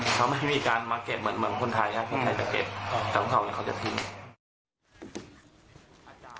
เขาไม่มีการมาเก็บเหมือนคนไทยครับคนไทยจะเก็บแต่ว่าเขาจะพิมพ์